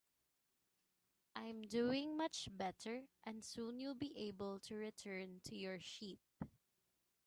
I'm doing much better, and soon you'll be able to return to your sheep.